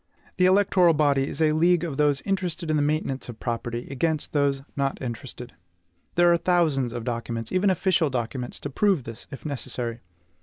The electoral body is a league of those interested in the maintenance of property, against those not interested. There are thousands of documents, even official documents, to prove this, if necessary.